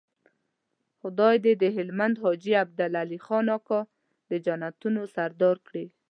خدای دې د هلمند حاجي عبدالعلي خان اکا د جنتونو سردار کړي.